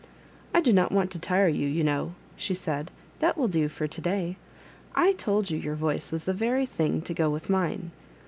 " I do not want to tire you, you know," she said; that will do for to day. I told you your voice was the very thing to go with mine.